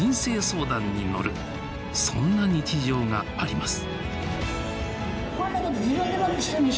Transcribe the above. そんな日常があります。